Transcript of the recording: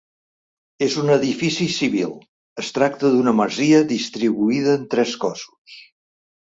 És un edifici civil; es tracta d'una masia distribuïda en tres cossos.